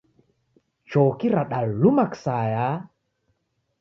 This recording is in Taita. Choki radaluma kisaya.